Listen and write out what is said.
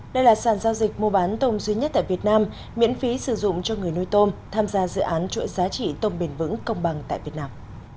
đây là sản giao dịch mua bán tôm duy nhất tại việt nam miễn phí sử dụng cho người nuôi tôm tham gia dự án chuỗi giá trị tôm bền vững công bằng tại việt nam